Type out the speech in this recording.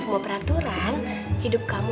semua peraturan hidup kamu